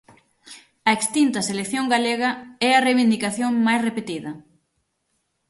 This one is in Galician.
A extinta selección galega é a reivindicación máis repetida.